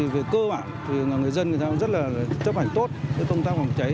về cơ bản thì người dân rất là chấp hành tốt công tác còn cháy